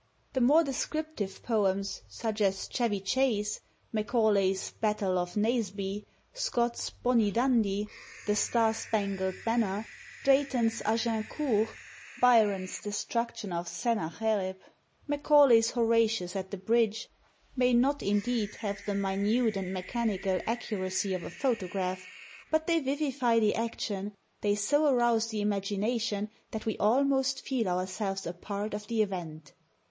The more descriptive poems, such as "Chevy Chase," Macaulay's "Battle of Naseby," Scott's "Bonnie Dundee," the xxvi INTRODUCTION "Star spangled Banner," Drayton's "Agincourt," Byron's "Destruction of Sennacherib," Macaulay's "Horatius at the Bridge," may not, indeed, have the minute and mechanical accuracy of a photograph; but they vivify the action, they so arouse the imagination that we almost feel ourselves a part of the event.